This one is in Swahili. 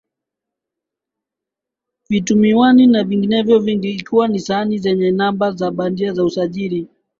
Viatumiwani na vinginevyo vingi ikiwa na sahani zenye namba za bandia za usajili